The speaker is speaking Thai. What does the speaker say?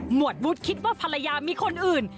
วดวุฒิคิดว่าภรรยามีคนอื่น